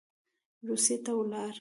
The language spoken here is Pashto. روسیې ته ولاړ.